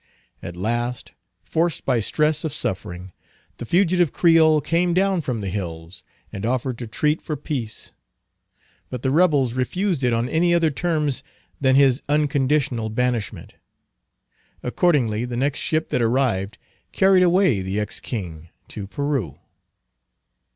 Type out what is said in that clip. At last, forced by stress of suffering, the fugitive Creole came down from the hills and offered to treat for peace. But the rebels refused it on any other terms than his unconditional banishment. Accordingly, the next ship that arrived carried away the ex king to Peru.